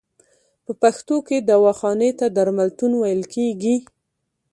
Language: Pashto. په پښتو کې دواخانې ته درملتون ویل کیږی.